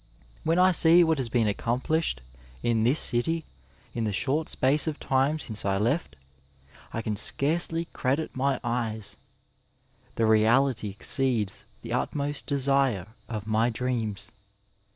When I see what has been accom plished in this city in the short space of time since I left, I can scarcely credit my eyes : the reality exceeds the ut most desire of my dreams.